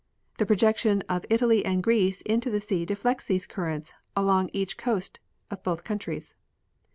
The projection of Italy and Greece into the sea deflects these currents along each coast of both countries.